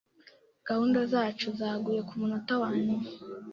Gahunda zacu zaguye kumunota wanyuma.